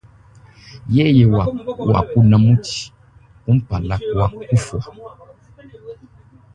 Yeye wakuna mutshi kumpala kua kufua.